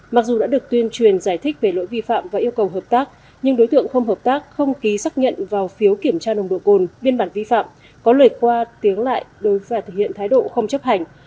mặc dù đã được tuyên truyền giải thích về lỗi vi phạm và yêu cầu hợp tác nhưng đối tượng không hợp tác không ký xác nhận vào phiếu kiểm tra nồng độ cồn biên bản vi phạm có lời qua tiếng lại và thực hiện thái độ không chấp hành